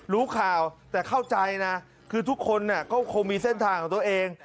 รู้ข่าวแต่เข้าใจนะคือทุกคนก็คงมีเส้นทางของตัวเอง